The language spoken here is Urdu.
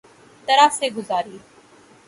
طرح سے گزاری